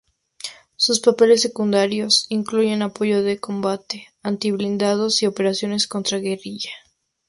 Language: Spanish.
Sus papeles secundarios incluyen apoyo de combate, anti-blindados y operaciones contra guerrilla.